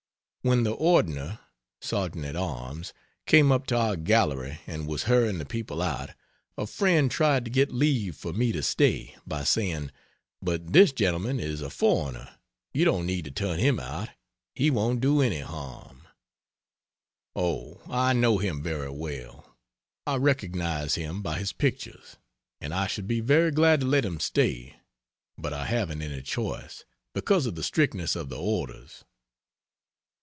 When the Ordner (sergeant at arms) came up to our gallery and was hurrying the people out, a friend tried to get leave for me to stay, by saying, "But this gentleman is a foreigner you don't need to turn him out he won't do any harm." "Oh, I know him very well I recognize him by his pictures; and I should be very glad to let him stay, but I haven't any choice, because of the strictness of the orders."